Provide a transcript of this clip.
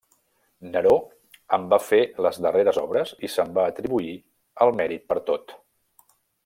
Neró en va fer les darreres obres i se'n va atribuir el mèrit per tot.